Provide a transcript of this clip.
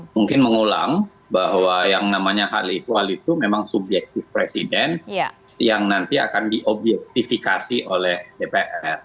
mungkin mengulang bahwa yang namanya khaliqual itu memang subjektif presiden yang nanti akan diobjektifikasi oleh dpr